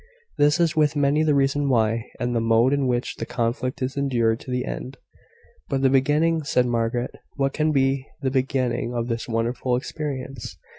This is with many the reason why, and the mode in which, the conflict is endured to the end." "But the beginning," said Margaret; "what can be the beginning of this wonderful experience?"